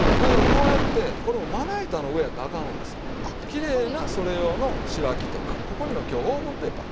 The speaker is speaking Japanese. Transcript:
きれいなそれ用の白木とかここには今日オーブンペーパー。